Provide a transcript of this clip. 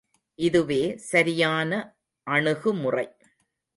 இதுவே சரியான அணுகுமுறை.